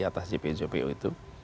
atas jpo jpo itu